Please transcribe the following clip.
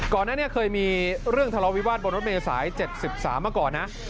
ก่อนหน้านี้เคยมีเรื่องทะเลาวิวาสบนรถเมษาย๗๓มาก่อนนะ